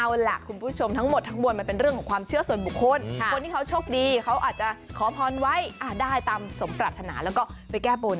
เอาล่ะคุณผู้ชมทั้งหมดทั้งมวลมันเป็นเรื่องของความเชื่อส่วนบุคคลคนที่เขาโชคดีเขาอาจจะขอพรไว้ได้ตามสมปรารถนาแล้วก็ไปแก้บน